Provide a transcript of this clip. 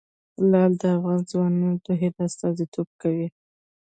لعل د افغان ځوانانو د هیلو استازیتوب کوي.